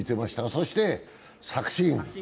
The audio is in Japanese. そして作新。